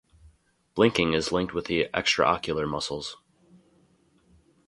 Blinking is linked with the extraocular muscles.